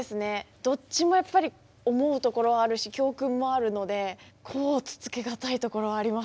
どっちもやっぱり思うところはあるし教訓もあるので甲乙つけがたいところありますよね。